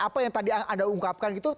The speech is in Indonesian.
apa yang tadi anda ungkapkan gitu